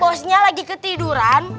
bosnya lagi ketiduran